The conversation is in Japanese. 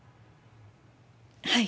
はい。